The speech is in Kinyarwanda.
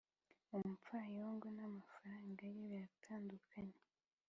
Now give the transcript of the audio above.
umupfayongo n'amafaranga ye biratandukana